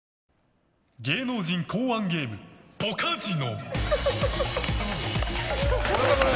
芸能人考案ゲームポカジノ！